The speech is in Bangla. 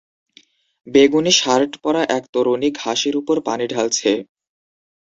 বেগুনী শার্ট পরা এক তরুণী, ঘাসের উপর পানি ঢালছে।